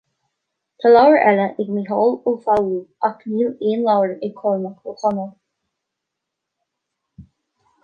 Tá leabhar eile ag Mícheál Ó Foghlú, ach níl aon leabhar ag Cormac Ó Conaill